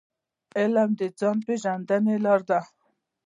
علم د ځان پېژندني لار ده.